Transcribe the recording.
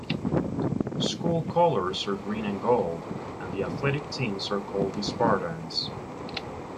School colors are green and gold, and the athletic teams are called the Spartans.